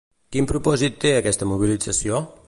Quin propòsit té aquesta mobilització?